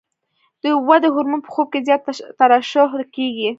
د ودې هورمون په خوب کې زیات ترشح کېږي.